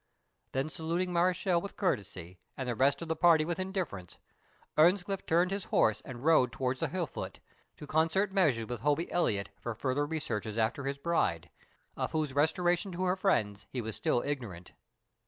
Then saluting Mareschal with courtesy, and the rest of the party with indifference, Earnscliff turned his horse and rode towards the Heugh foot, to concert measures with Hobbie Elliot for farther researches after his bride, of whose restoration to her friends he was still ignorant.